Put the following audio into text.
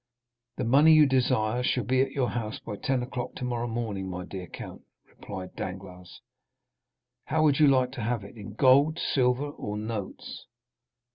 "The money you desire shall be at your house by ten o'clock tomorrow morning, my dear count," replied Danglars. "How would you like to have it? in gold, silver, or notes?"